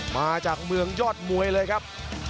มาจากเมืองยอดมวยเลยครับ